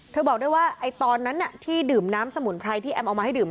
เธอบอกได้ว่าไอ้ตอนนั้นอ่ะที่ดื่มน้ำสมุนไพรที่แอมมาให้ดื่ม